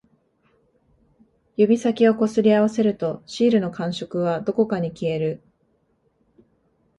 指先を擦り合わせると、シールの感触はどこかに消える